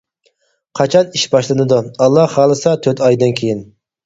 -قاچان ئىش باشلىنىدۇ؟ -ئاللا خالىسا تۆت ئايدىن كېيىن.